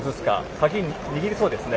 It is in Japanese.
鍵を握りそうですね。